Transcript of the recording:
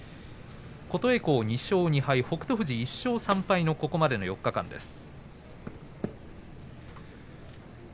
琴恵光、２勝２敗北勝富士１勝３敗のここまでの４日間です。